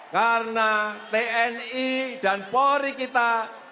karena tni dan polri kita